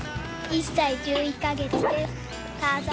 １歳１１カ月です。